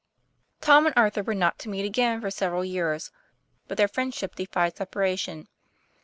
Tom and Arthur were not to meet again for several years. But their friendship defied separation.